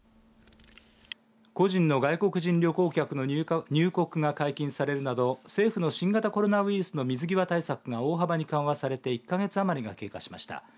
個人の外国人旅行客の入国が解禁されるなど政府の新型コロナウイルスの水際対策が大幅に緩和されて１か月余りが経過しました。